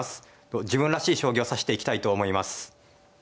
自分らしい将棋を指していきたいと思います。